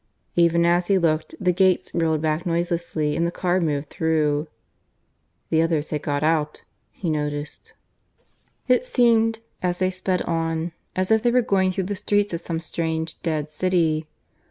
Even as he looked the gates rolled back noiselessly and the car moved through. (The others had got out, he noticed.) It seemed, as they sped on, as if they were going through the streets of some strange dead city.